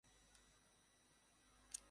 ওটা তোর কাছে আসছে সিগন্যালে অপেক্ষা করছে।